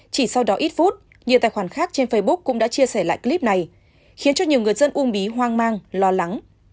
chỉ sau đó ít phút nhiều tài khoản khác trên facebook cũng đã chia sẻ lại clip này khiến cho nhiều người dân uông bí hoang mang lo lắng